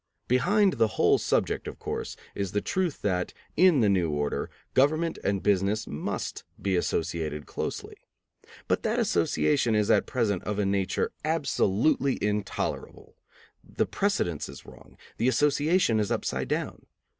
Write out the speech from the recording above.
Behind the whole subject, of course, is the truth that, in the new order, government and business must be associated closely. But that association is at present of a nature absolutely intolerable; the precedence is wrong, the association is upside down.